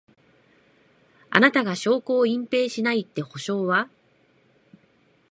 あなたが証拠を隠滅しないって保証は？